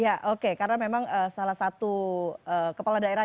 ya oke karena memang salah satu kepala daerah